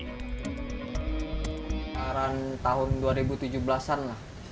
sekarang tahun dua ribu tujuh belas an lah